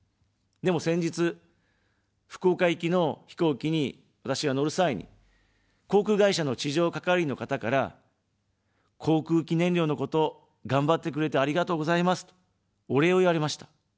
でも、先日、福岡行きの飛行機に私が乗る際に、航空会社の地上係員の方から、航空機燃料のことがんばってくれてありがとうございますと、お礼を言われました。